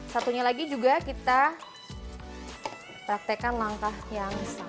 satunya lagi juga kita praktekkan langkah yang sama